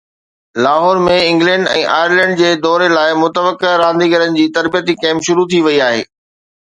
Lahore ۾ England ۽ Ireland جي دوري لاءِ متوقع رانديگرن جي تربيتي ڪيمپ شروع ٿي وئي آهي